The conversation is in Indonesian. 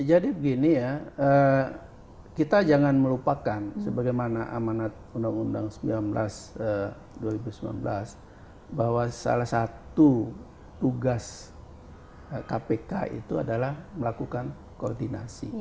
jadi begini ya kita jangan melupakan sebagaimana amanat undang undang sembilan belas dua ribu sembilan belas bahwa salah satu tugas kpk itu adalah melakukan koordinasi